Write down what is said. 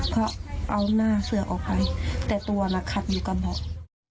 เพราะเอาหน้าเสือออกไปแต่ตัวน่ะขัดอยู่กระบอก